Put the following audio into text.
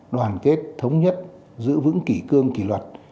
đoàn kết thống nhất giữ vững kỷ cương kỷ luật